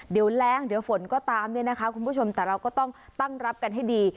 เดี๋ยวแรงเดี๋ยวฝนก็ตามเนี่ยนะคะคุณผู้ชมแต่เราก็ต้องตั้งรับกันให้ดี